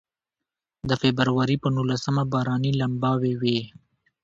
د فبروري په نولسمه باراني لمباوې وې.